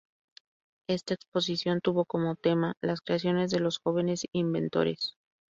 Esta exposición tuvo como tema "Las creaciones de los jóvenes inventores".